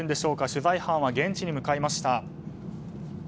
取材班は現地に向かいました。